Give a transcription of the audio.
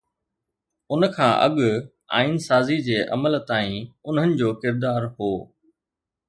ان کان اڳ آئين سازي جي عمل تائين انهن جو ڪردار هو.